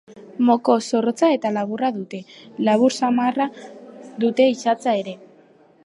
Moko zorrotza eta laburra dute; labur samarra dute isatsa ere.